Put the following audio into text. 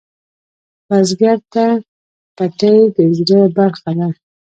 بزګر ته پټی د زړۀ برخه ده